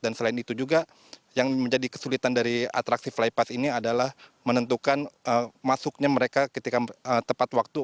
dan selain itu juga yang menjadi kesulitan dari atraksi fly pass ini adalah menentukan masuknya mereka ketika tepat waktu